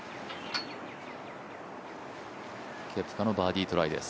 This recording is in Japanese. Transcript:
ケプカのバーディートライです。